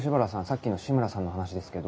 さっきの志村さんの話ですけど。